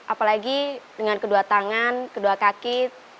apalagi dengan kedua tangan kedua kaki